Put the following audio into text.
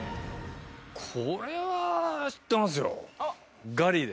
これは知ってますよ。